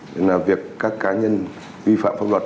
vì việc các cá nhân vi phạm pháp luật